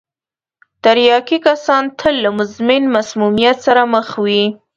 تریاکي کسان تل له مزمن مسمومیت سره مخ وي.